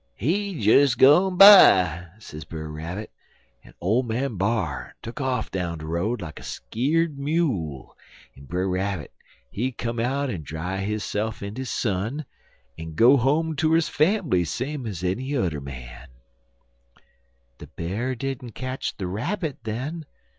"'He des gone by,' sez Brer Rabbit, en ole man B'ar tuck off down de road like a skeer'd mule, en Brer Rabbit, he come out en dry hisse'f in de sun, en go home ter his fambly same ez enny udder man. "The Bear didn't catch the Rabbit, then?"